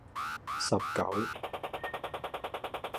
十九